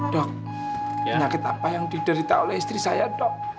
dok penyakit apa yang diderita oleh istri saya dok